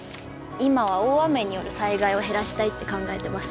今は大雨による災害を減らしたいって考えてます。